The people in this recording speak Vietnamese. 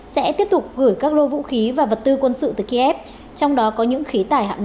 sẽ tiếp tục gửi các lô vũ khí và vật tư quân sự từ kiev trong đó có những khí tải hạng nặng